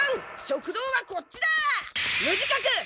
食堂はこっちだ！